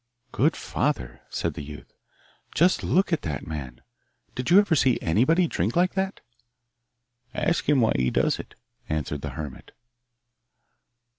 'Good father,' said the youth, 'just look at that man! Did you ever see anybody drink like that?' 'Ask him why he does it,' answered the hermit.